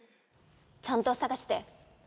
ちゃんとさがして！